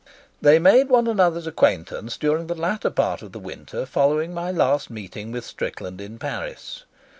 They made one another's acquaintance during the latter part of the winter following my last meeting with Strickland in Paris.